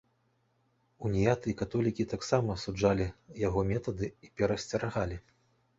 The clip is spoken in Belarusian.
Уніяты і католікі таксама асуджалі яго метады і перасцерагалі.